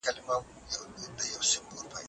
ورزش د سرطان مخنیوی کې مرسته کوي.